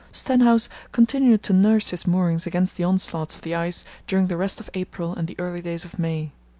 Stenhouse continued to nurse his moorings against the onslaughts of the ice during the rest of April and the early days of May.